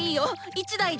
１台で！